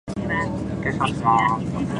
三人とも何も言わず、一斗缶を見つめていた